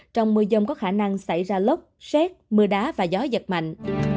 trong mưa dông có khả năng xảy ra lốc xét mưa đá và gió giật mạnh